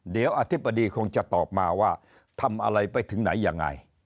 เดี๋ยวอธิบดีคงจะตอบมาว่าทำอะไรไปถึงไหนยังไง